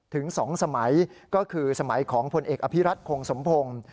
ถึง๒สมัยก็คือสมัยของผลเอกอภิรัตคงสมพงศ์